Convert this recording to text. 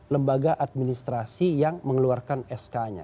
lembaga administrasi yang mengeluarkan sk nya